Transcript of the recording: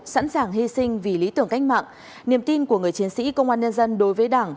sẵn sàng hy sinh vì lý tưởng cách mạng niềm tin của người chiến sĩ công an nhân dân đối với đảng